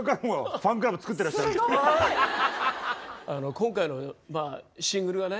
今回のシングルはね